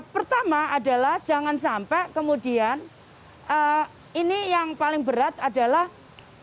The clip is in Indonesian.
pertama adalah jangan sampai kemudian ini yang paling berat adalah bagaimana kemudian ber dachte